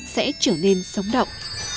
sẽ trở nên sóng động